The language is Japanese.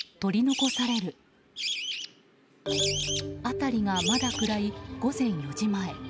辺りがまだ暗い午前４時前。